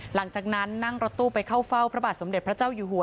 หลังจากนั้นนั่งรถตู้ไปเข้าเฝ้าพระบาทสมเด็จพระเจ้าอยู่หัว